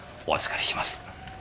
お預かりします。